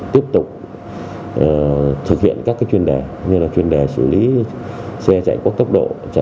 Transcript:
tiếp tục thực hiện các chuyên đề như là chuyên đề xử lý xe chạy quá tốc độ